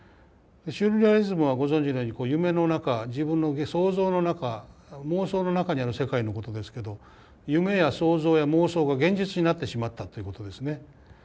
シュール・レアリスムはご存じのように夢の中自分の想像の中妄想の中にある世界のことですけど夢や想像や妄想が現実になってしまったということですね。